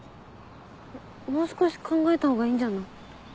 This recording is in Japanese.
もう少し考えたほうがいいんじゃない？